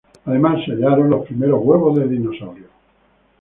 Además, se hallaron los primeros huevos de dinosaurios.